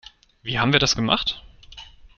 Wie haben wir das gemacht?